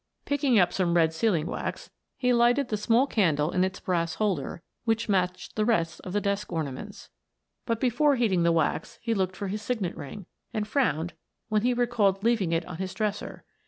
Picking up some red sealing wax, he lighted the small candle in its brass holder which matched the rest of the desk ornaments, but before heating the wax he looked for his signet ring, and frowned when he recalled leaving it on his dresser.